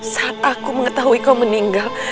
saat aku mengetahui kau meninggal